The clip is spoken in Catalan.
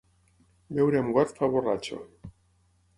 Beure amb got fa borratxo.